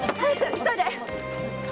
急いで！